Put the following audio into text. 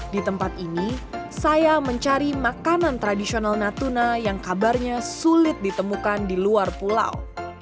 di tempat ini saya mencari makanan tradisional natuna yang kabarnya sulit ditemukan di luar pulau